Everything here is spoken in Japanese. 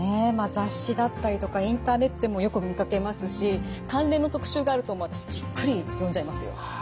雑誌だったりとかインターネットでもよく見かけますし関連の特集があるともう私じっくり読んじゃいますよ。